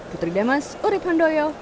putri demas urip handoyo